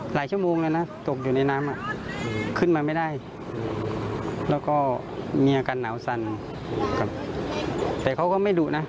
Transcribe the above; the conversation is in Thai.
ฟังเสียงหน่อยค่ะ